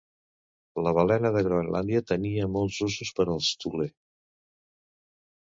La balena de Groenlàndia tenia molts usos per als thule.